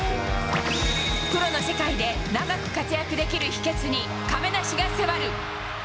プロの世界で長く活躍できる秘けつに亀梨が迫る。